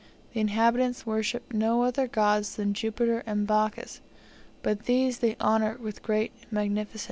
The inhabitants worship no other gods than Jupiter and Bacchus; but these they honour with great magnificence.